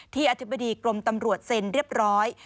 อธิบดีกรมตำรวจเซ็นเรียบร้อย